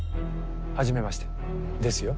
はじめましてですよ。